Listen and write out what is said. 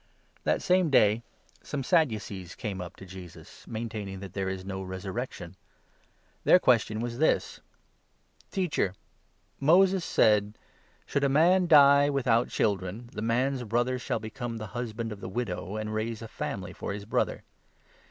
A Question That same day some Sadducees came up to 23 about the Jesus, maintaining that there is no resurrection. Resurrection. Their question was this :— "Teacher, Moses said — 24 ' Should a man die without children, the man's brother shall become the husband of the widow, and raise a family for his brother.'